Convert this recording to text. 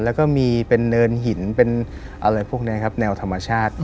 แล้วก็มีเป็นเนินหินเป็นอะไรพวกนี้ครับแนวธรรมชาติ